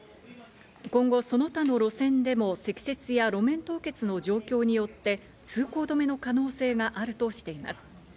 今後その他の路線でも積雪や路面凍結の状況によって通行止めの可能性があるとしています。